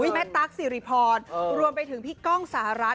แม่ตั๊กสิริพรรวมไปถึงพี่ก้องสหรัฐ